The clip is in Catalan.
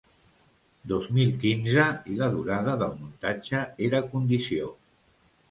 Dos mil quinze, i la durada del muntatge era condició.